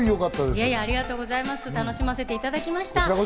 いえいえ、ありがとうございます、楽しませていただきました。